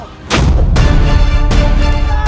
tidak tidak tidak